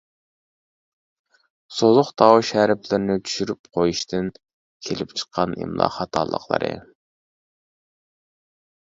سوزۇق تاۋۇش ھەرپلىرىنى چۈشۈرۈپ قويۇشتىن كېلىپ چىققان ئىملا خاتالىقلىرى.